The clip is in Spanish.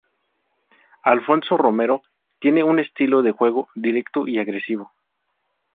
Alfonso Romero tiene un estilo de juego directo y agresivo.